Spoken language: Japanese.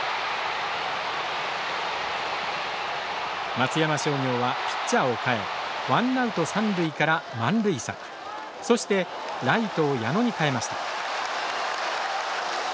松山商業は、ピッチャーを代えワンアウト、三塁から満塁策。そしてライトを矢野に代えました。